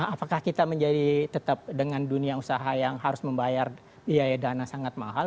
apakah kita menjadi tetap dengan dunia usaha yang harus membayar biaya dana sangat mahal